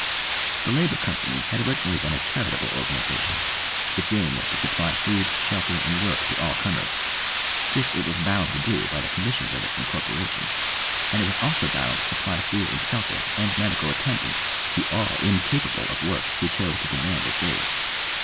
The Labour Company had originally been a charitable organisation; its aim was to supply food, shelter, and work to all comers. This it was bound to do by the conditions of its incorporation, and it was also bound to supply food and shelter and medical attendance to all incapable of work who chose to demand its aid.